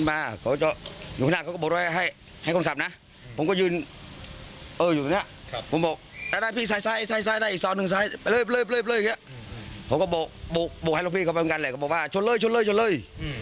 เราก็เลยด้วยความที่เขาพูดมางั้นก็มางั้นก็ชนเลยชนเลย